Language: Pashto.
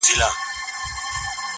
o بد بختي يوازي نه راځي.